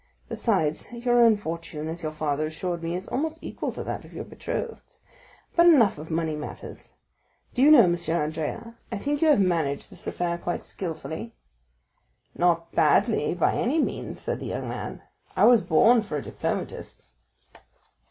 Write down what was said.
Besides, your own fortune, as your father assured me, is almost equal to that of your betrothed. But enough of money matters. Do you know, M. Andrea, I think you have managed this affair rather skilfully?" "Not badly, by any means," said the young man; "I was born for a diplomatist."